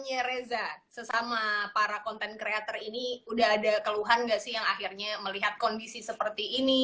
sebenarnya reza sesama para content creator ini udah ada keluhan nggak sih yang akhirnya melihat kondisi seperti ini